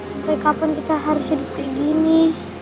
sampai kapan kita harus hidup begini